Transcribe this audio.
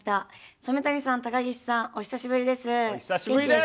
染谷さん、高岸さんお久しぶりです！